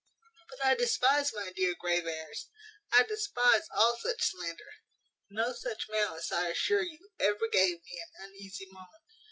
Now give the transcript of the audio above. But I despise, my dear Graveairs, I despise all such slander. No such malice, I assure you, ever gave me an uneasy moment.